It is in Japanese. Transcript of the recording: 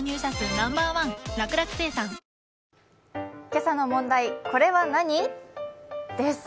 今朝の問題、これは何？です。